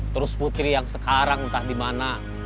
terus putri yang sekarang entah di mana